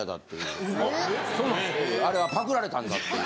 あれはパクられたんだっていう。